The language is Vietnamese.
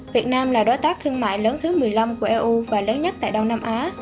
việt nam là đối tác thương mại lớn thứ một mươi năm của eu và lớn nhất tại đông nam á